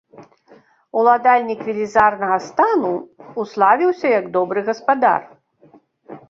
Уладальнік велізарнага стану, уславіўся як добры гаспадар.